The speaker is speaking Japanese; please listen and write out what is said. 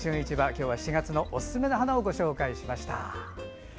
今日は４月のおすすめの花をご紹介しました。